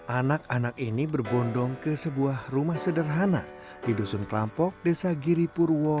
anak anak ini berbondong ke sebuah rumah sederhana di dusun kelampok desa giri purwo